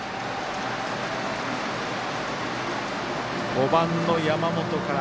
５番の山本から。